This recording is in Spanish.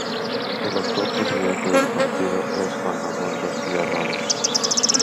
El actual Presidente del partido es Juan Manuel García Ramos.